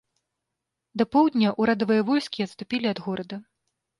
Да поўдня ўрадавыя войскі адступілі ад горада.